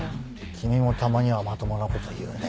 君もたまにはまともなこと言うね。